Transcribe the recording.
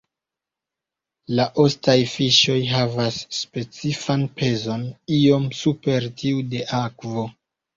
La ostaj fiŝoj havas specifan pezon iom super tiu de akvo.